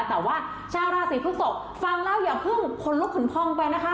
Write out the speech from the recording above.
แต่ว่าชาวราศีพฤกษกฟังแล้วอย่าเพิ่งขนลุกขุนพองไปนะคะ